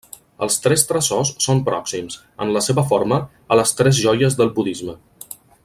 Els Tres Tresors són pròxims, en la seva forma, a les Tres Joies del budisme.